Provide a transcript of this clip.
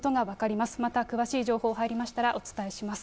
また詳しい情報、入りましたらお伝えします。